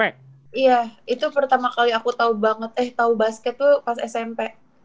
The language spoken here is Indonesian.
iya itu pertama kali aku tahu banget eh tau basket tuh pas smp